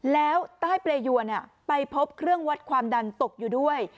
แล้วใต้เปรยวนไปพบเครื่องวัดความดันตกอยู่ด้วย